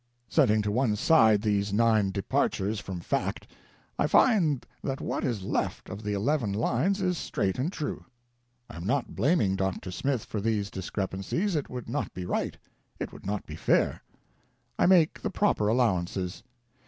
Setting to one side these nine departures from fact, I find that what is left of the eleven lines is straight and true. I am not blaming Dr. Smith for these discrepancies — it would not be right, it would not be fair. I make the proper allowances.